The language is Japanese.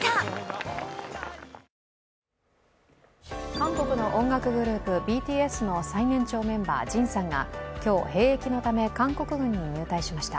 韓国の音楽グループＢＴＳの最年長メンバー、ＪＩＮさんが今日、兵役のため、韓国軍に入隊しました。